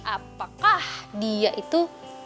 apakah dia itu